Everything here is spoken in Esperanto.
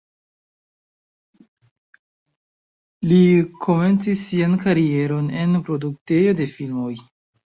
Li komencis sian karieron en produktejo de filmoj.